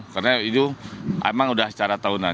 karena itu memang sudah secara tahunan